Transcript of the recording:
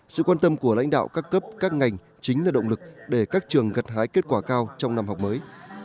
sự quan tâm của lãnh đạo các cấp các ngành chính là động lực để các trường gật hái kết quả cao trong năm học mới